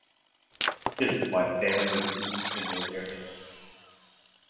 This is why famine repeats in those areas.